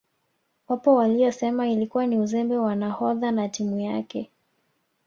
Wapo waliosema ilikuwa ni uzembe wa nahodha na timu yake